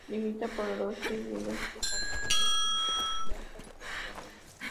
Limita por el oeste y el este con Eguía y Alza, respectivamente.